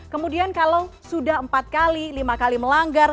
kemudian kalau sudah empat kali lima kali melanggar